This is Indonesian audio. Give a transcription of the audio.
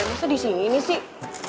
masa di sini ini sih